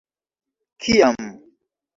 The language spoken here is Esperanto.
kiam